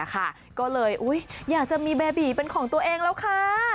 ก็เลยอยากจะมีเบบีเป็นของตัวเองแล้วค่ะ